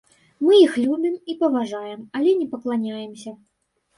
Мы іх любім і паважаем, але не пакланяемся.